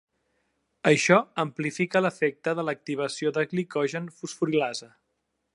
Això amplifica l'efecte de l'activació de glicogen fosforilasa.